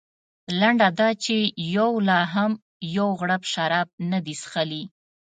لنډه دا چې یوه لا هم یو غړپ شراب نه دي څښلي.